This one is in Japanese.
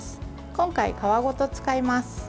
今回、皮ごと使います。